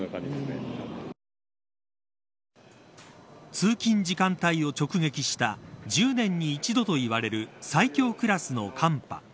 通勤時間帯を直撃した１０年に一度といわれる最強クラスの寒波。